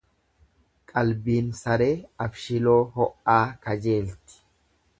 Qalbiin saree abshiloo ho'aa kajeelti.